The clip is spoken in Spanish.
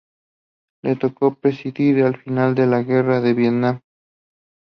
Le tocó presidir el final de la Guerra de Vietnam.